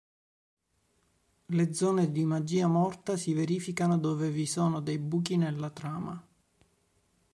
Le zone di magia morta si verificano dove vi sono dei buchi nella trama.